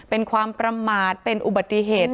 เป็นความประมาทเป็นอุบัติเหตุ